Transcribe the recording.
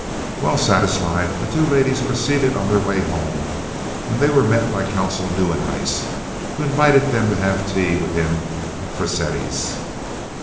Well satisfied, the two ladies proceeded on their way home, when they were met by Consul Nieuwenhuis, who invited them to have tea with him at Frascati's.